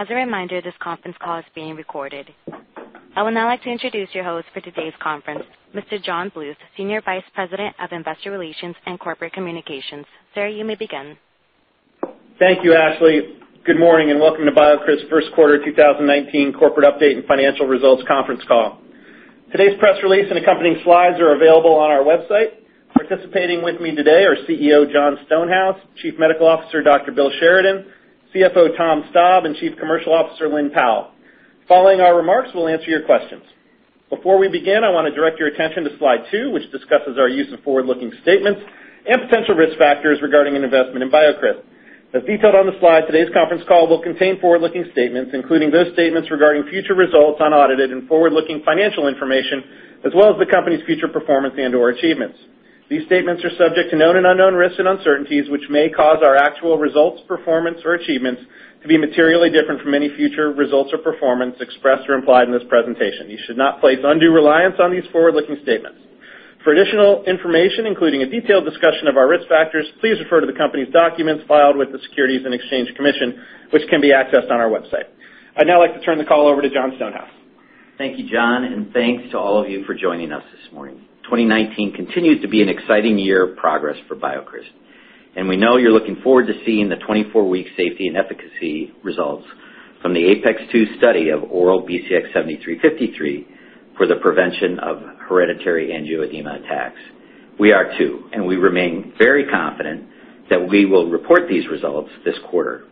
As a reminder, this conference call is being recorded. I would now like to introduce your host for today's conference, Mr. John Bluth, Senior Vice President of Investor Relations and Corporate Communications. Sir, you may begin. Thank you, Ashley. Good morning, and welcome to BioCryst's first quarter 2019 corporate update and financial results conference call. Today's press release and accompanying slides are available on our website. Participating with me today are CEO Jon Stonehouse, Chief Medical Officer Dr. William Sheridan, CFO Thomas Staab, and Chief Commercial Officer Lynne Powell. Following our remarks, we'll answer your questions. Before we begin, I want to direct your attention to slide two, which discusses our use of forward-looking statements and potential risk factors regarding an investment in BioCryst. As detailed on the slide, today's conference call will contain forward-looking statements, including those statements regarding future results, unaudited and forward-looking financial information, as well as the company's future performance and/or achievements. These statements are subject to known and unknown risks and uncertainties, which may cause our actual results, performance, or achievements to be materially different from any future results or performance expressed or implied in this presentation. You should not place undue reliance on these forward-looking statements. For additional information, including a detailed discussion of our risk factors, please refer to the company's documents filed with the Securities and Exchange Commission, which can be accessed on our website. I'd now like to turn the call over to Jon Stonehouse. Thank you, John. Thanks to all of you for joining us this morning. 2019 continues to be an exciting year of progress for BioCryst, and we know you're looking forward to seeing the 24-week safety and efficacy results from the APEX-2 study of oral BCX7353 for the prevention of hereditary angioedema attacks. We are too. We remain very confident that we will report these results this quarter.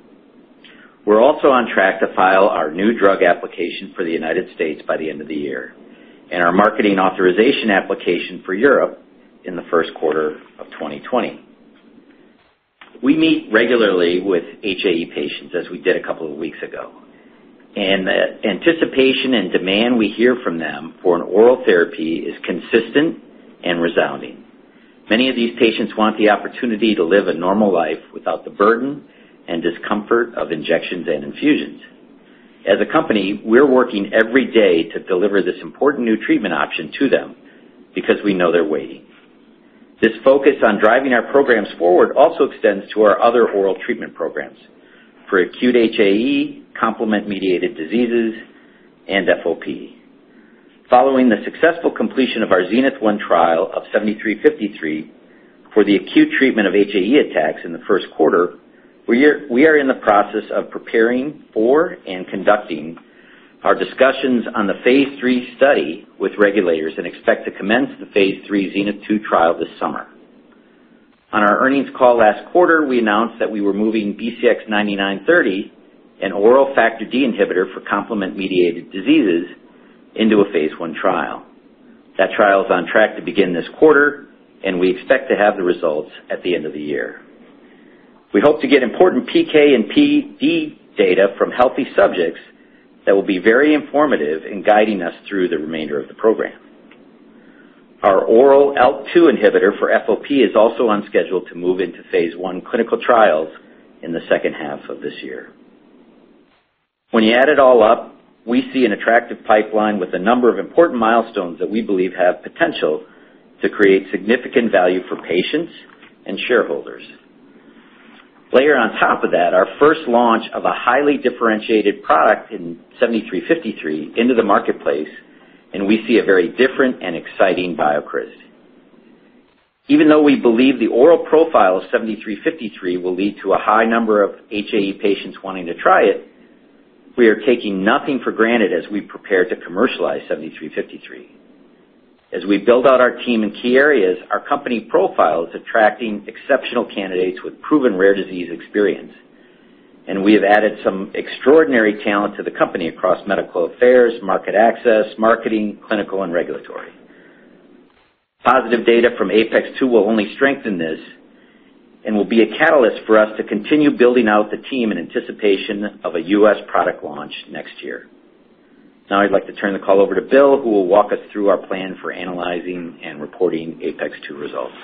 We're also on track to file our new drug application for the United States by the end of the year and our marketing authorization application for Europe in the first quarter of 2020. We meet regularly with HAE patients, as we did a couple of weeks ago. The anticipation and demand we hear from them for an oral therapy is consistent and resounding. Many of these patients want the opportunity to live a normal life without the burden and discomfort of injections and infusions. As a company, we're working every day to deliver this important new treatment option to them because we know they're waiting. This focus on driving our programs forward also extends to our other oral treatment programs for acute HAE, complement-mediated diseases, and FOP. Following the successful completion of our ZENITH-1 trial of 7353 for the acute treatment of HAE attacks in the first quarter, we are in the process of preparing for and conducting our discussions on the phase III study with regulators and expect to commence the phase III ZENITH-2 trial this summer. On our earnings call last quarter, we announced that we were moving BCX9930, an oral Factor D inhibitor for complement-mediated diseases, into a phase I trial. That trial is on track to begin this quarter. We expect to have the results at the end of the year. We hope to get important PK and PD data from healthy subjects that will be very informative in guiding us through the remainder of the program. Our oral ALK-2 inhibitor for FOP is also on schedule to move into phase I clinical trials in the second half of this year. When you add it all up, we see an attractive pipeline with a number of important milestones that we believe have potential to create significant value for patients and shareholders. Layer on top of that our first launch of a highly differentiated product in 7353 into the marketplace, we see a very different and exciting BioCryst. Even though we believe the oral profile of 7353 will lead to a high number of HAE patients wanting to try it, we are taking nothing for granted as we prepare to commercialize 7353. As we build out our team in key areas, our company profile is attracting exceptional candidates with proven rare disease experience. We have added some extraordinary talent to the company across medical affairs, market access, marketing, clinical, and regulatory. Positive data from APEX-2 will only strengthen this and will be a catalyst for us to continue building out the team in anticipation of a U.S. product launch next year. Now I'd like to turn the call over to Bill, who will walk us through our plan for analyzing and reporting APEX-2 results.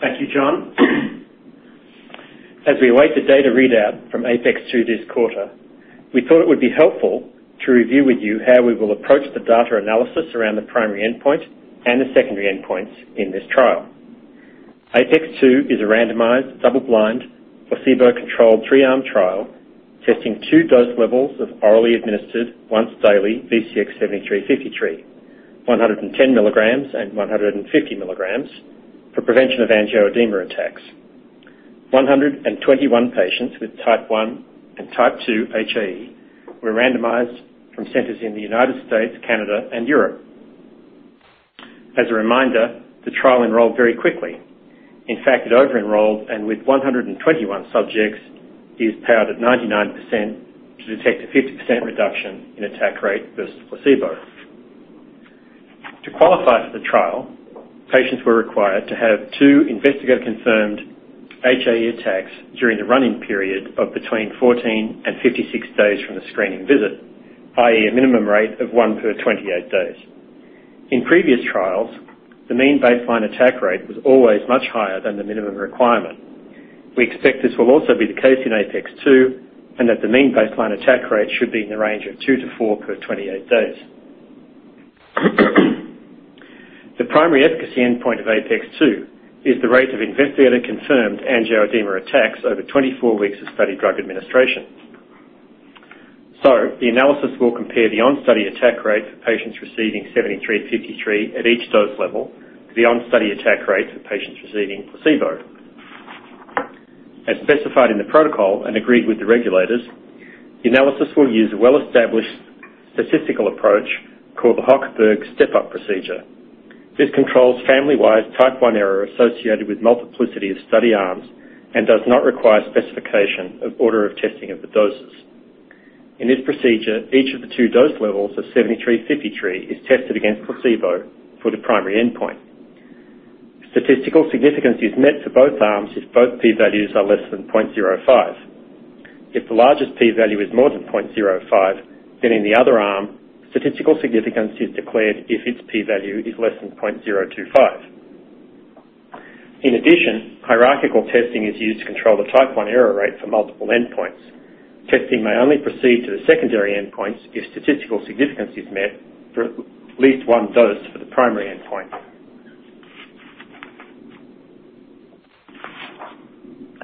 Thank you, John. As we await the data readout from APEX-2 this quarter, we thought it would be helpful to review with you how we will approach the data analysis around the primary endpoint and the secondary endpoints in this trial. APEX-2 is a randomized, double-blind, placebo-controlled, 3-arm trial testing 2 dose levels of orally administered once-daily BCX7353, 110 milligrams and 150 milligrams, for prevention of angioedema attacks. 121 patients with type 1 and type 2 HAE were randomized from centers in the U.S., Canada, and Europe. As a reminder, the trial enrolled very quickly. In fact, it over-enrolled, with 121 subjects, is powered at 99% to detect a 50% reduction in attack rate versus placebo. To qualify for the trial, patients were required to have two investigator-confirmed HAE attacks during the run-in period of between 14 and 56 days from the screening visit, i.e., a minimum rate of 1 per 28 days. In previous trials, the mean baseline attack rate was always much higher than the minimum requirement. We expect this will also be the case in APEX-2, and that the mean baseline attack rate should be in the range of 2 to 4 per 28 days. The primary efficacy endpoint of APEX-2 is the rate of investigator-confirmed angioedema attacks over 24 weeks of study drug administration. The analysis will compare the on-study attack rate for patients receiving BCX7353 at each dose level to the on-study attack rates of patients receiving placebo. As specified in the protocol and agreed with the regulators, the analysis will use a well-established statistical approach called the Hochberg step-up procedure. This controls family-wise type 1 error associated with multiplicity of study arms and does not require specification of order of testing of the doses. In this procedure, each of the 2 dose levels of BCX7353 is tested against placebo for the primary endpoint. Statistical significance is met for both arms if both P values are less than 0.05. If the largest P value is more than 0.05, in the other arm, statistical significance is declared if its P value is less than 0.025. In addition, hierarchical testing is used to control the type 1 error rate for multiple endpoints. Testing may only proceed to the secondary endpoints if statistical significance is met for at least one dose for the primary endpoint.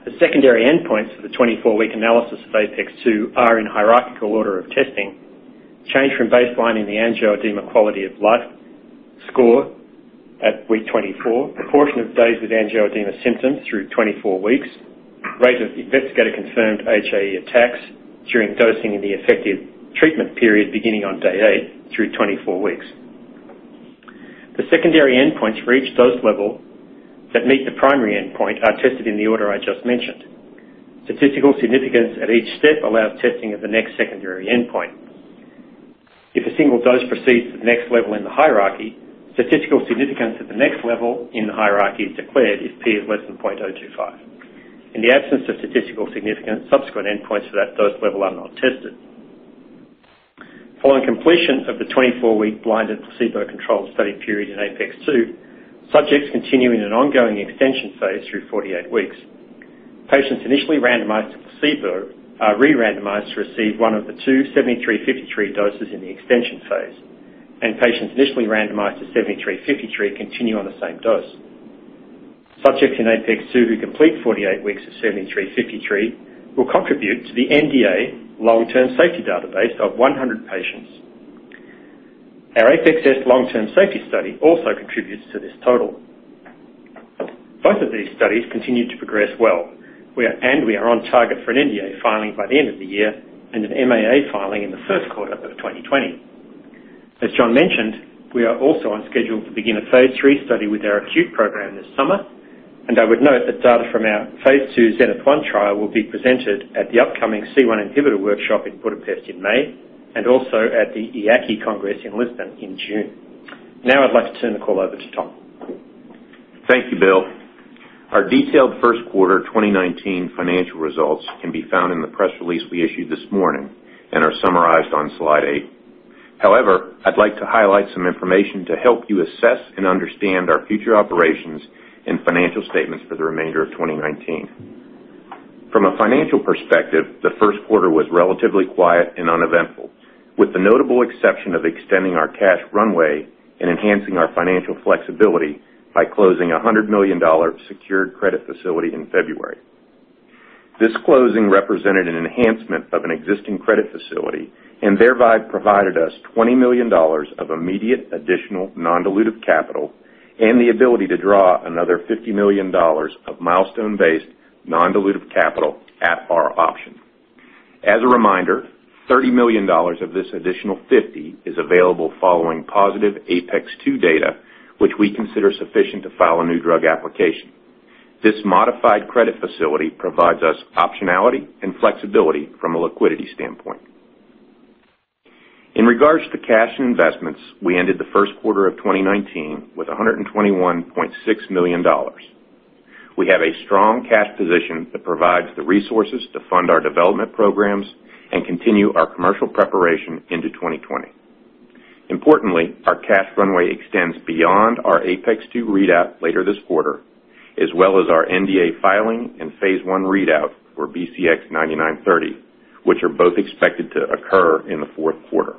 The secondary endpoints for the 24-week analysis of APEX-2 are in hierarchical order of testing, change from baseline in the Angioedema Quality of Life score at week 24, proportion of days with angioedema symptoms through 24 weeks, rate of investigator-confirmed HAE attacks during dosing in the effective treatment period beginning on day 8 through 24 weeks. The secondary endpoints for each dose level that meet the primary endpoint are tested in the order I just mentioned. Statistical significance at each step allows testing of the next secondary endpoint. If a single dose proceeds to the next level in the hierarchy, statistical significance at the next level in the hierarchy is declared if P is less than 0.025. In the absence of statistical significance, subsequent endpoints for that dose level are not tested. Following completion of the 24-week blinded placebo-controlled study period in APEX-2, subjects continue in an ongoing extension phase through 48 weeks. Patients initially randomized to placebo are re-randomized to receive one of the two BCX7353 doses in the extension phase, and patients initially randomized to BCX7353 continue on the same dose. Subjects in APEX-2 who complete 48 weeks of BCX7353 will contribute to the NDA long-term safety database of 100 patients. Our APEX-S long-term safety study also contributes to this total. Both of these studies continue to progress well. We are on target for an NDA filing by the end of the year and an MAA filing in the first quarter of 2020. As Jon mentioned, we are also on schedule to begin a phase III study with our acute program this summer, and I would note that data from our phase II ZENITH-1 trial will be presented at the upcoming C1-INH Deficiency & Angioedema Workshop in Budapest in May and also at the EAACI Congress in Lisbon in June. Now I'd like to turn the call over to Tom. Thank you, Bill. Our detailed first quarter 2019 financial results can be found in the press release we issued this morning and are summarized on slide eight. I'd like to highlight some information to help you assess and understand our future operations and financial statements for the remainder of 2019. From a financial perspective, the first quarter was relatively quiet and uneventful, with the notable exception of extending our cash runway and enhancing our financial flexibility by closing a $100 million secured credit facility in February. This closing represented an enhancement of an existing credit facility, and thereby provided us $20 million of immediate additional non-dilutive capital and the ability to draw another $50 million of milestone-based, non-dilutive capital at our option. As a reminder, $30 million of this additional 50 is available following positive APEX-2 data, which we consider sufficient to file a new drug application. This modified credit facility provides us optionality and flexibility from a liquidity standpoint. In regards to cash and investments, we ended the first quarter of 2019 with $121.6 million. We have a strong cash position that provides the resources to fund our development programs and continue our commercial preparation into 2020. Importantly, our cash runway extends beyond our APEX-2 readout later this quarter, as well as our NDA filing and phase I readout for BCX9930, which are both expected to occur in the fourth quarter.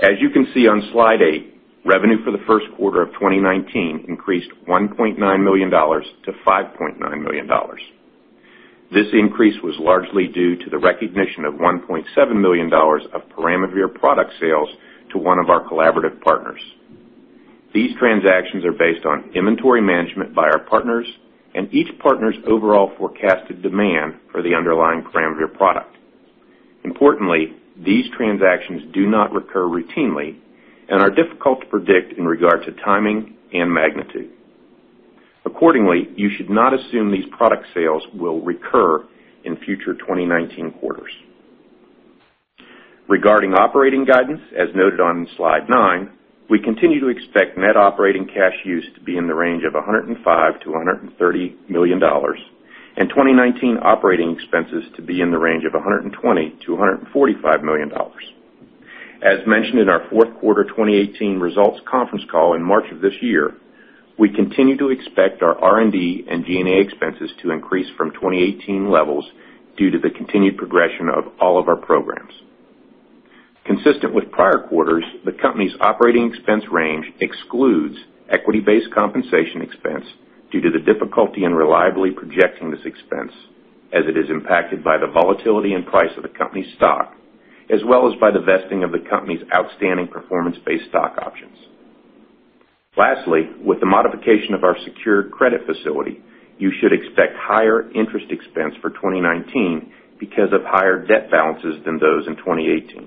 As you can see on slide eight, revenue for the first quarter of 2019 increased $1.9 million to $5.9 million. This increase was largely due to the recognition of $1.7 million of peramivir product sales to one of our collaborative partners. These transactions are based on inventory management by our partners and each partner's overall forecasted demand for the underlying peramivir product. Importantly, these transactions do not recur routinely and are difficult to predict in regard to timing and magnitude. Accordingly, you should not assume these product sales will recur in future 2019 quarters. Regarding operating guidance, as noted on slide nine, we continue to expect net operating cash use to be in the range of $105 million-$130 million, and 2019 operating expenses to be in the range of $120 million-$145 million. As mentioned in our fourth quarter 2018 results conference call in March of this year. We continue to expect our R&D and G&A expenses to increase from 2018 levels due to the continued progression of all of our programs. Consistent with prior quarters, the company's operating expense range excludes equity-based compensation expense due to the difficulty in reliably projecting this expense, as it is impacted by the volatility in price of the company's stock, as well as by the vesting of the company's outstanding performance-based stock options. Lastly, with the modification of our secured credit facility, you should expect higher interest expense for 2019 because of higher debt balances than those in 2018.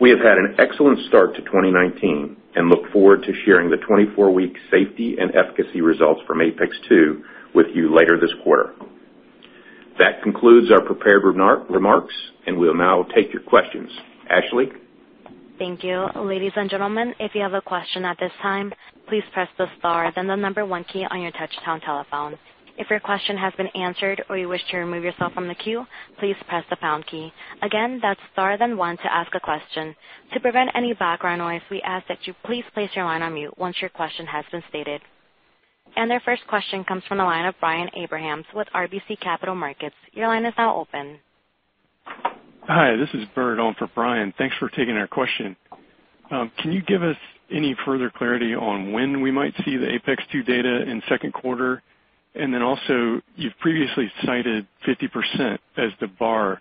We have had an excellent start to 2019 and look forward to sharing the 24-week safety and efficacy results from APEX-2 with you later this quarter. That concludes our prepared remarks, and we'll now take your questions. Ashley? Thank you. Ladies and gentlemen, if you have a question at this time, please press the star then the number 1 key on your touchtone telephone. If your question has been answered or you wish to remove yourself from the queue, please press the pound key. Again, that's star then 1 to ask a question. To prevent any background noise, we ask that you please place your line on mute once your question has been stated. Our first question comes from the line of Brian Abrahams with RBC Capital Markets. Your line is now open. Hi, this is Bert on for Brian. Thanks for taking our question. Can you give us any further clarity on when we might see the APEX-2 data in second quarter? Then also, you've previously cited 50% as the bar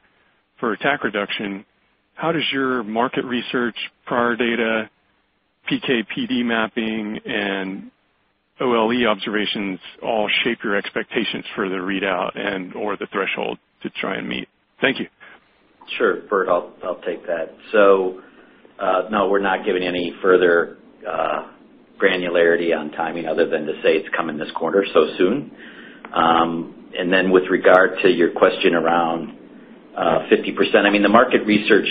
for attack reduction. How does your market research, prior data, PK/PD mapping, and OLE observations all shape your expectations for the readout and/or the threshold to try and meet? Thank you. Sure, Bert, I'll take that. No, we're not giving any further granularity on timing other than to say it's coming this quarter, so soon. Then with regard to your question around 50%, the market research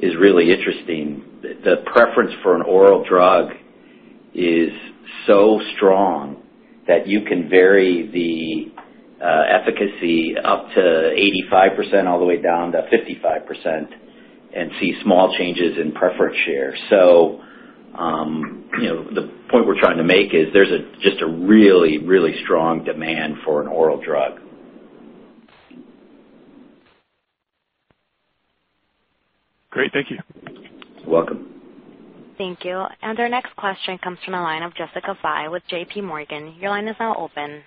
is really interesting. The preference for an oral drug is so strong that you can vary the efficacy up to 85% all the way down to 55% and see small changes in preference share. The point we're trying to make is there's just a really, really strong demand for an oral drug. Great. Thank you. You're welcome. Thank you. Our next question comes from the line of Jessica Fye with J.P. Morgan. Your line is now open.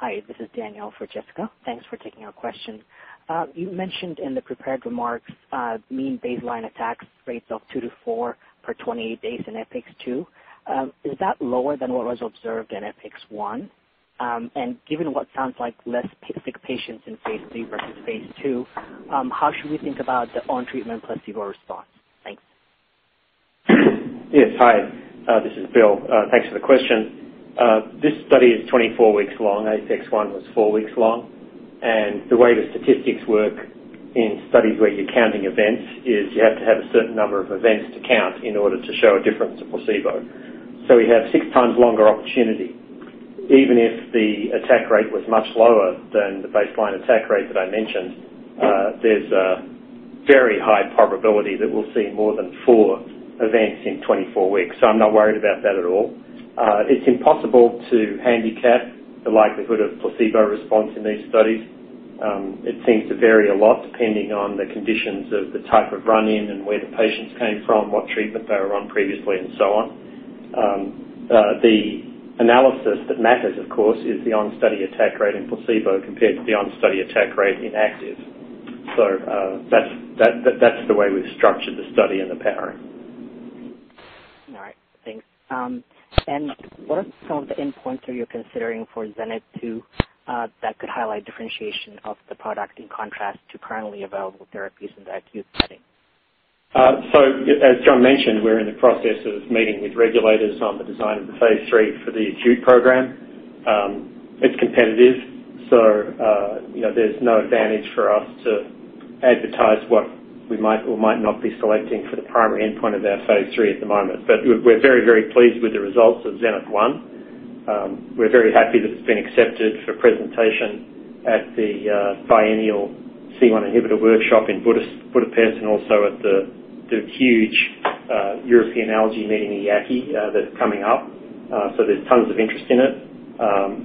Hi, this is Danielle for Jessica. Thanks for taking our question. You mentioned in the prepared remarks, mean baseline attacks rates of two to four for 28 days in APEX-2. Is that lower than what was observed in APEX-1? Given what sounds like less sick patients in Phase C versus phase II, how should we think about the on-treatment placebo response? Thanks. Yes, hi. This is Bill. Thanks for the question. This study is 24 weeks long. APEX-1 was four weeks long. The way the statistics work in studies where you're counting events is you have to have a certain number of events to count in order to show a difference to placebo. We have six times longer opportunity. Even if the attack rate was much lower than the baseline attack rate that I mentioned, there's a very high probability that we'll see more than four events in 224 weeks. I'm not worried about that at all. It's impossible to handicap the likelihood of placebo response in these studies. It seems to vary a lot depending on the conditions of the type of run-in and where the patients came from, what treatment they were on previously, and so on. The analysis that matters, of course, is the on-study attack rate in placebo compared to the on-study attack rate in active. That's the way we've structured the study and the pairing. All right, thanks. What are some of the endpoints that you're considering for ZENITH-2 that could highlight differentiation of the product in contrast to currently available therapies in the acute setting? As John mentioned, we're in the process of meeting with regulators on the design of the phase III for the acute program. It's competitive, so there's no advantage for us to advertise what we might or might not be selecting for the primary endpoint of our phase III at the moment. We're very, very pleased with the results of ZENITH-1. We're very happy that it's been accepted for presentation at the biannual C1 inhibitor workshop in Budapest and also at the huge European allergy meeting, the EAACI, that's coming up. There's tons of interest in it.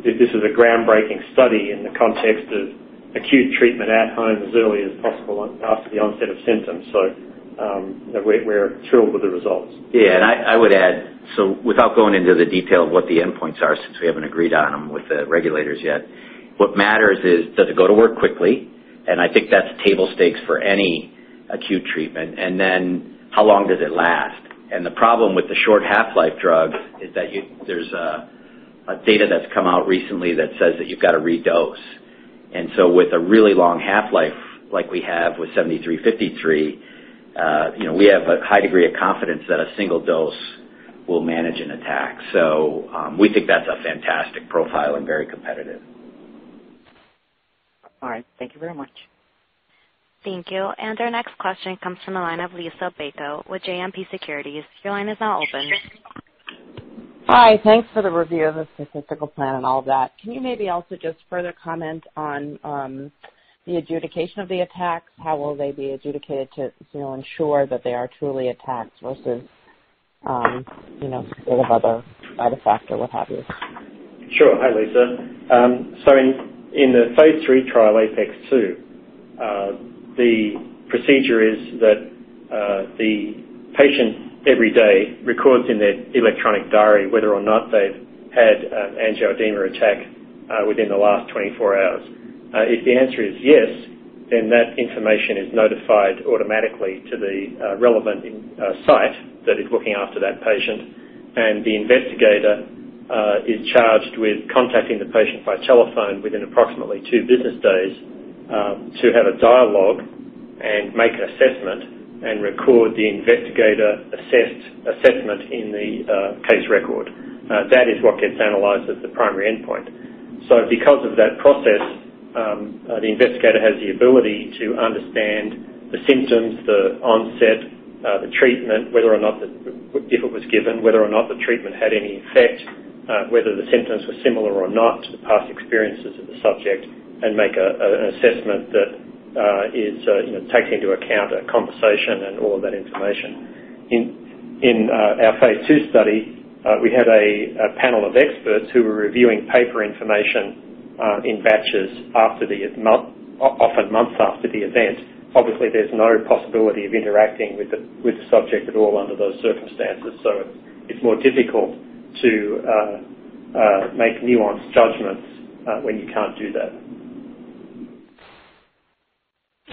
This is a groundbreaking study in the context of acute treatment at home as early as possible after the onset of symptoms. We're thrilled with the results. I would add, without going into the detail of what the endpoints are, since we haven't agreed on them with the regulators yet, what matters is, does it go to work quickly? I think that's table stakes for any acute treatment. How long does it last? The problem with the short half-life drug is that there's data that's come out recently that says that you've got to redose. With a really long half-life like we have with BCX7353, we have a high degree of confidence that a single dose will manage an attack. We think that's a fantastic profile and very competitive. All right. Thank you very much. Thank you. Our next question comes from the line of Liisa Bayko with JMP Securities. Your line is now open. Hi. Thanks for the review of the statistical plan and all that. Can you maybe also just further comment on the adjudication of the attacks? How will they be adjudicated to ensure that they are truly attacks versus other factor, what have you? Sure. Hi, Liisa. In the phase III trial, APEX-2, the procedure is that the patient every day records in their electronic diary whether or not they've had an angioedema attack within the last 24 hours. If the answer is yes, that information is notified automatically to the relevant site that is looking after that patient. The investigator is charged with contacting the patient by telephone within approximately 2 business days, to have a dialogue and make an assessment and record the investigator assessment in the case record. That is what gets analyzed as the primary endpoint. Because of that process, the investigator has the ability to understand the symptoms, the onset, the treatment, if it was given, whether or not the treatment had any effect, whether the symptoms were similar or not to past experiences of the subject, and make an assessment that takes into account a conversation and all of that information. In our phase II study, we had a panel of experts who were reviewing paper information in batches often months after the event. Obviously, there's no possibility of interacting with the subject at all under those circumstances, it's more difficult to make nuanced judgments when you can't do that.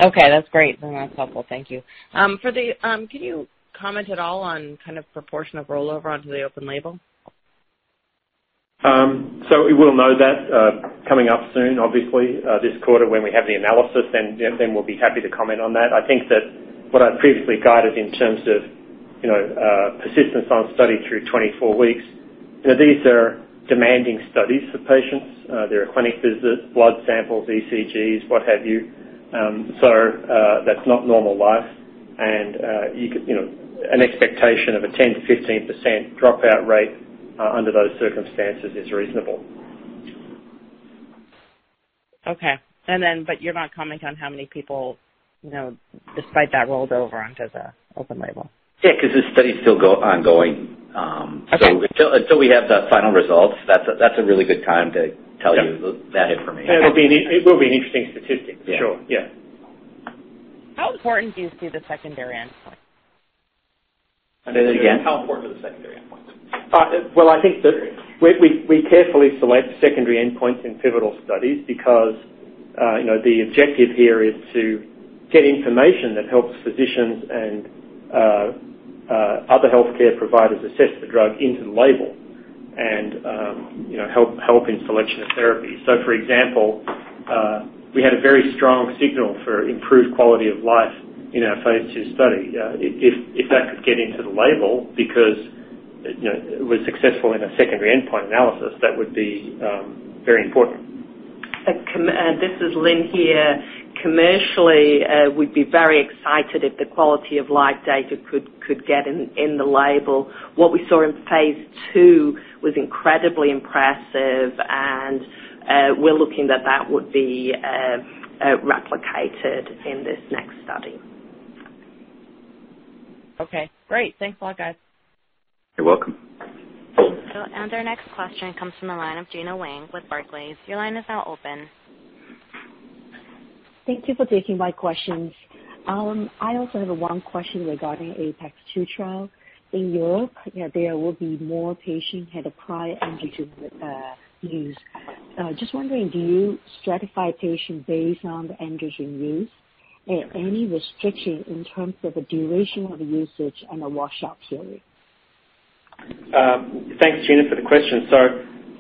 Okay, that's great. That's helpful. Thank you. Can you comment at all on proportion of rollover onto the open label? We will know that coming up soon, obviously, this quarter when we have the analysis, then we'll be happy to comment on that. I think that what I previously guided in terms of persistence on study through 24 weeks, these are demanding studies for patients. There are clinic visits, blood samples, ECGs, what have you. That's not normal life, and an expectation of a 10%-15% dropout rate under those circumstances is reasonable. Okay. You're not commenting on how many people, despite that, rolled over onto the open label. Yeah, because this study is still ongoing. Okay. Until we have the final results, that's a really good time to tell you that information. It will be an interesting statistic. Yeah. Sure, yeah. How important do you see the secondary endpoint? Say that again? How important are the secondary endpoints? Well, I think that we carefully select secondary endpoints in pivotal studies because the objective here is to get information that helps physicians and other healthcare providers assess the drug into the label and help in selection of therapy. For example, we had a very strong signal for improved quality of life in our phase II study. If that could get into the label because it was successful in a secondary endpoint analysis, that would be very important. This is Lynne here. Commercially, we'd be very excited if the quality-of-life data could get in the label. What we saw in phase II was incredibly impressive, and we're looking that that would be replicated in this next study. Okay, great. Thanks a lot, guys. You're welcome. Our next question comes from the line of Gena Wang with Barclays. Your line is now open. Thank you for taking my questions. I also have one question regarding APEX-2 trial. In Europe, there will be more patients had a prior androgen use. Just wondering, do you stratify patients based on the androgen use? Any restriction in terms of the duration of the usage and the washout period? Thanks, Gena, for the question.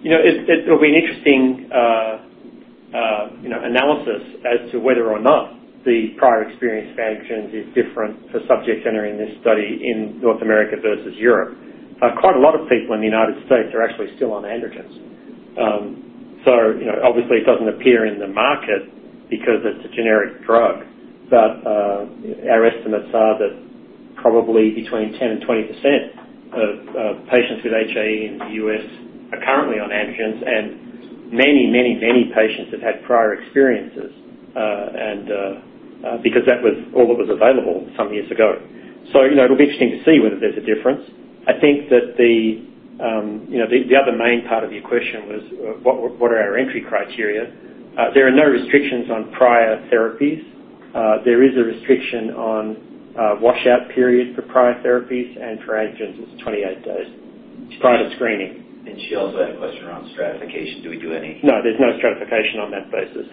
It'll be an interesting analysis as to whether or not the prior experience with androgens is different for subjects entering this study in North America versus Europe. Quite a lot of people in the United States are actually still on androgens. Obviously it doesn't appear in the market because it's a generic drug. Our estimates are that probably between 10% and 20% of patients with HAE in the U.S. are currently on androgens, and many patients have had prior experiences because that was all that was available some years ago. It'll be interesting to see whether there's a difference. I think that the other main part of your question was what are our entry criteria? There are no restrictions on prior therapies. There is a restriction on washout periods for prior therapies, and for androgens, it's 28 days prior to screening. She also had a question around stratification. Do we do any? No, there's no stratification on that basis.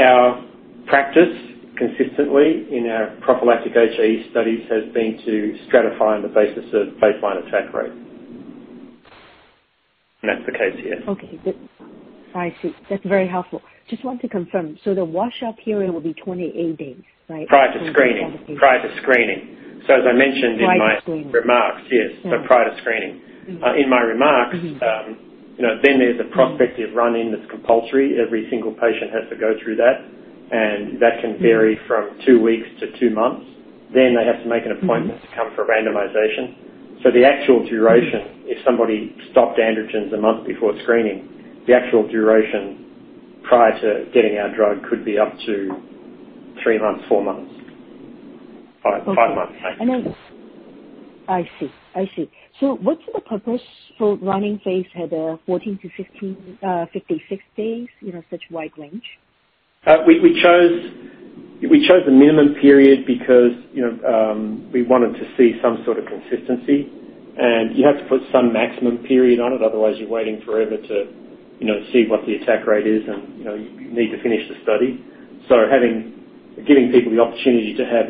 Our practice consistently in our prophylactic HAE studies has been to stratify on the basis of baseline attack rate. That's the case here. Okay. I see. That's very helpful. Just want to confirm, so the washout period will be 28 days, right? Prior to screening. As I mentioned in my- Prior to screening. -remarks, yes. Prior to screening. In my remarks, then there's a prospective run-in that's compulsory. Every single patient has to go through that, and that can vary from 2 weeks to 2 months. They have to make an appointment to come for randomization. The actual duration, if somebody stopped androgens a month before screening, the actual duration prior to getting our drug could be up to 3 months, 4 months. 5 months, maybe. I see. What's the purpose for running phase had 14-56 days, such wide range? We chose the minimum period because we wanted to see some sort of consistency. You have to put some maximum period on it, otherwise you're waiting forever to see what the attack rate is, and you need to finish the study. Giving people the opportunity to have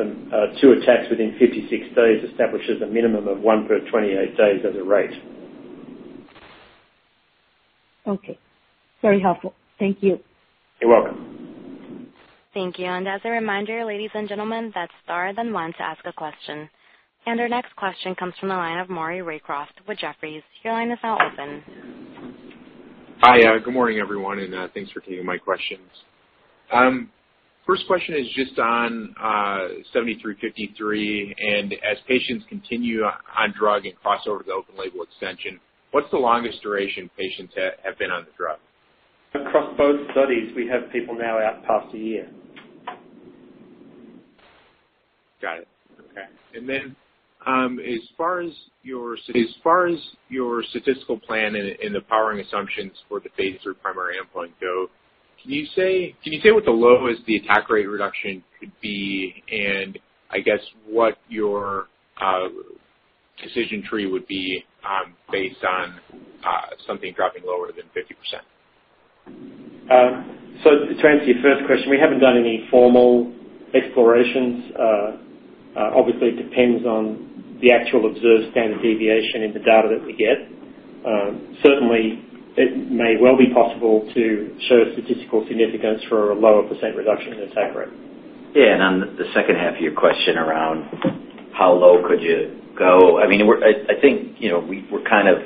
two attacks within 56 days establishes a minimum of one per 28 days as a rate. Okay. Very helpful. Thank you. You're welcome. Thank you. As a reminder, ladies and gentlemen, that star then one to ask a question. Our next question comes from the line of Maury Raycroft with Jefferies. Your line is now open. Hi. Good morning, everyone, and thanks for taking my questions. First question is just on 7353. As patients continue on drug and cross over to the open label extension, what's the longest duration patients have been on the drug? Across both studies, we have people now out past a year. Got it. Okay. Then, as far as your statistical plan and the powering assumptions for the phase III primary endpoint go, can you say what the lowest the attack rate reduction could be? And I guess what your decision tree would be based on something dropping lower than 50%? To answer your first question, we haven't done any formal explorations. Obviously, it depends on the actual observed standard deviation in the data that we get. Certainly, it may well be possible to show statistical significance for a lower % reduction in attack rate. On the second half of your question around how low could you go, I think we're kind of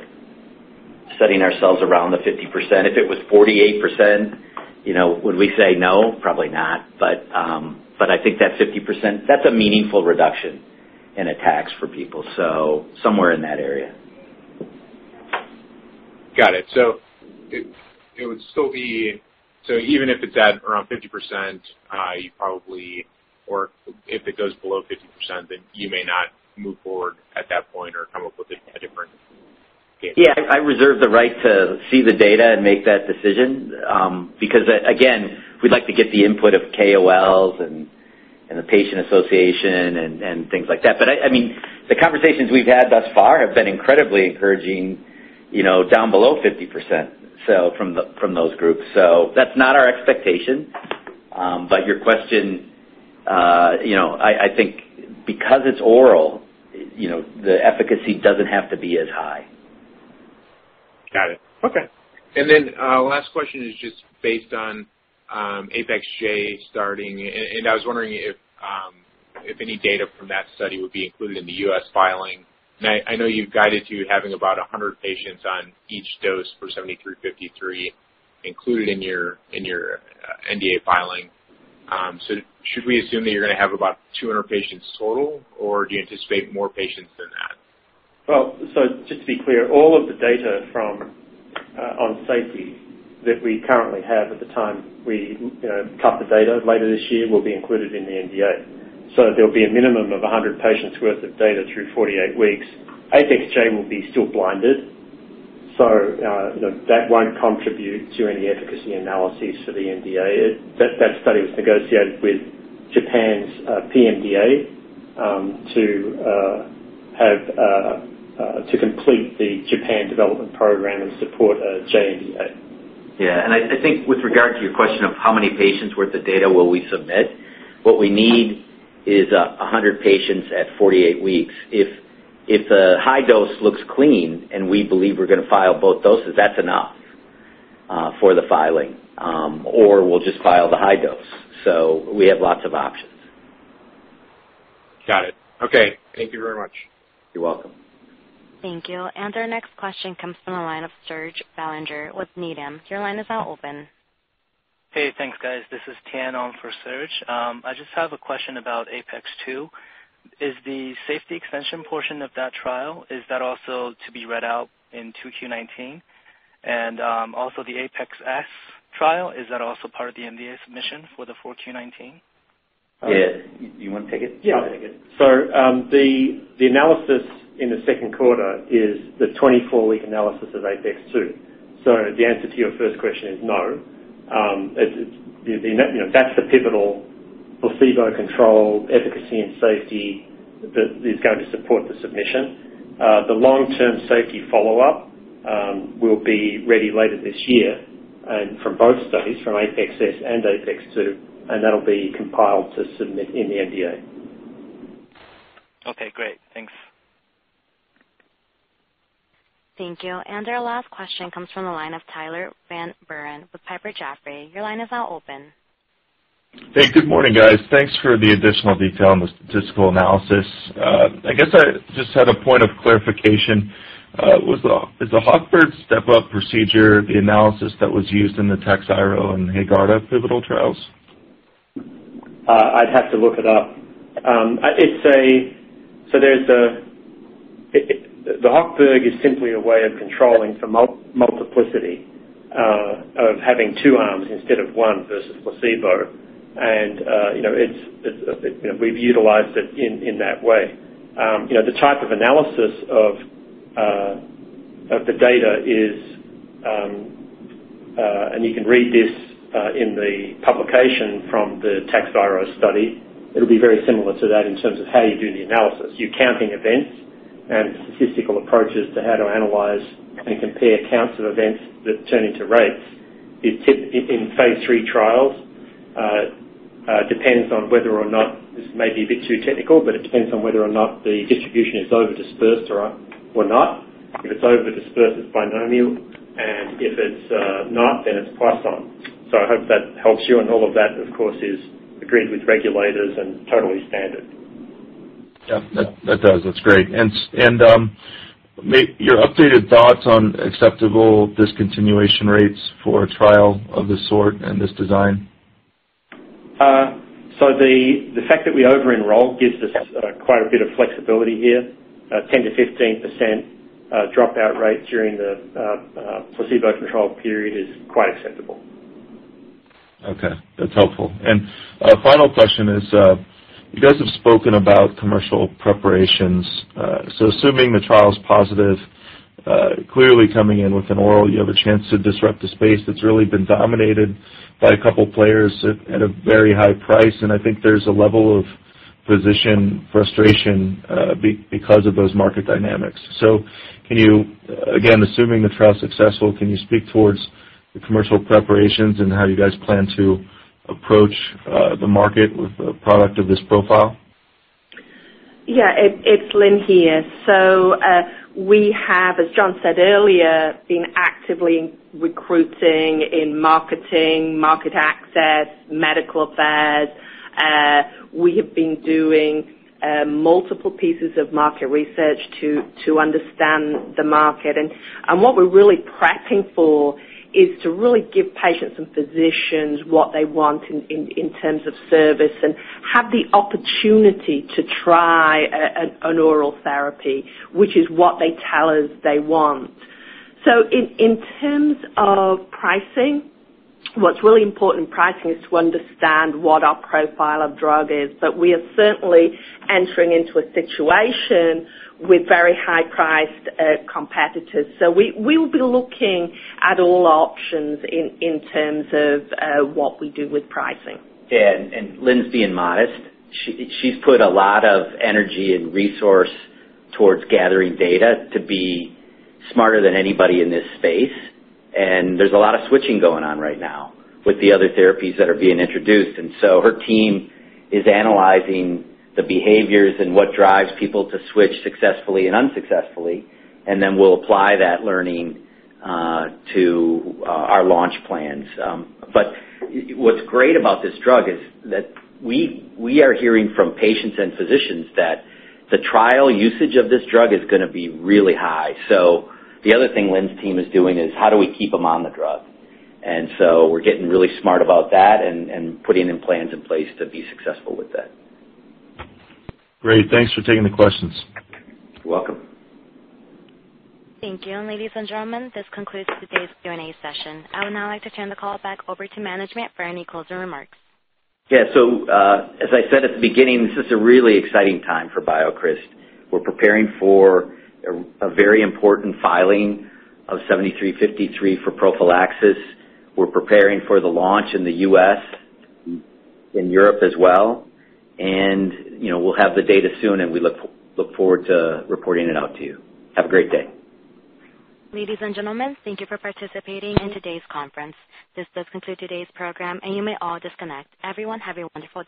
setting ourselves around the 50%. If it was 48%, would we say no? Probably not. I think that 50%, that's a meaningful reduction in attacks for people. Somewhere in that area. Got it. Even if it's at around 50%, if it goes below 50%, then you may not move forward at that point or come up with a different game plan. I reserve the right to see the data and make that decision. Again, we'd like to get the input of KOLs and the patient association and things like that. The conversations we've had thus far have been incredibly encouraging down below 50% from those groups. That's not our expectation. Your question, I think because it's oral, the efficacy doesn't have to be as high. Got it. Okay. Last question is just based on APEX-J starting, and I was wondering if any data from that study would be included in the U.S. filing. I know you've guided to having about 100 patients on each dose for BCX7353 included in your NDA filing. Should we assume that you're going to have about 200 patients total, or do you anticipate more patients than that? Just to be clear, all of the data on safety that we currently have at the time we cut the data later this year will be included in the NDA. There'll be a minimum of 100 patients' worth of data through 48 weeks. APEX-J will be still blinded, so that won't contribute to any efficacy analysis for the NDA. That study was negotiated with Japan's PMDA to complete the Japan development program and support a JNDA. I think with regard to your question of how many patients worth of data will we submit, what we need is 100 patients at 48 weeks. If the high dose looks clean and we believe we're going to file both doses, that's enough for the filing. We'll just file the high dose. We have lots of options. Got it. Okay. Thank you very much. You're welcome. Thank you. Our next question comes from the line of Serge Belanger with Needham. Your line is now open. Hey, thanks, guys. This is Tian on for Serge. I just have a question about APEX-2. Is the safety extension portion of that trial, is that also to be read out in 2Q 2019? Also the APEX-S trial, is that also part of the NDA submission for the 4Q 2019? Yeah. You want to take it? Yeah, I'll take it. The analysis in the second quarter is the 24-week analysis of APEX-2. The answer to your first question is no. That's the pivotal placebo control efficacy and safety that is going to support the submission. The long-term safety follow-up will be ready later this year and from both studies, from APEX-S and APEX-2, and that'll be compiled to submit in the NDA. Okay, great. Thanks. Thank you. Our last question comes from the line of Tyler Van Buren with Piper Jaffray. Your line is now open. Hey, good morning, guys. Thanks for the additional detail and the statistical analysis. I guess I just had a point of clarification. Is the Hochberg step-up procedure the analysis that was used in the Takhzyro and Haegarda pivotal trials? I'd have to look it up. The Hochberg is simply a way of controlling for multiplicity, of having two arms instead of one versus placebo. We've utilized it in that way. The type of analysis of the data is, you can read this in the publication from the Takhzyro study, it'll be very similar to that in terms of how you do the analysis. You're counting events and statistical approaches to how to analyze and compare counts of events that turn into rates. In phase III trials, this may be a bit too technical, but it depends on whether or not the distribution is over-dispersed or not. If it's over-dispersed, it's binomial, and if it's not, then it's Poisson. I hope that helps you, and all of that, of course, agrees with regulators and totally standard. Yeah. That does. That's great. Your updated thoughts on acceptable discontinuation rates for a trial of this sort and this design? The fact that we over-enrolled gives us quite a bit of flexibility here. 10%-15% dropout rate during the placebo control period is quite acceptable. Okay. That's helpful. A final question is, you guys have spoken about commercial preparations. Assuming the trial's positive, clearly coming in with an oral, you have a chance to disrupt a space that's really been dominated by a couple players at a very high price, and I think there's a level of physician frustration because of those market dynamics. Can you, again, assuming the trial's successful, can you speak towards the commercial preparations and how you guys plan to approach the market with a product of this profile? It's Lynne here. We have, as John said earlier, been actively recruiting in marketing, market access, medical affairs. We have been doing multiple pieces of market research to understand the market. What we're really prepping for is to really give patients and physicians what they want in terms of service and have the opportunity to try an oral therapy, which is what they tell us they want. In terms of pricing, what's really important in pricing is to understand what our profile of drug is, we are certainly entering into a situation with very high-priced competitors. We will be looking at all options in terms of what we do with pricing. Lynne's being modest. She's put a lot of energy and resource towards gathering data to be smarter than anybody in this space, there's a lot of switching going on right now with the other therapies that are being introduced. Her team is analyzing the behaviors and what drives people to switch successfully and unsuccessfully, we'll apply that learning to our launch plans. What's great about this drug is that we are hearing from patients and physicians that the trial usage of this drug is going to be really high. The other thing Lynne's team is doing is how do we keep them on the drug. We're getting really smart about that and putting in plans in place to be successful with that. Great. Thanks for taking the questions. You're welcome. Thank you. Ladies and gentlemen, this concludes today's Q&A session. I would now like to turn the call back over to management for any closing remarks. Yeah. As I said at the beginning, this is a really exciting time for BioCryst. We're preparing for a very important filing of 7353 for prophylaxis. We're preparing for the launch in the U.S., in Europe as well, and we'll have the data soon, and we look forward to reporting it out to you. Have a great day. Ladies and gentlemen, thank you for participating in today's conference. This does conclude today's program, and you may all disconnect. Everyone, have a wonderful day.